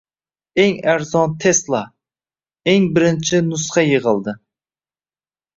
Eng arzon Tesla: eng birinchi nusxa yig‘ildi